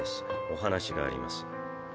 お話があります。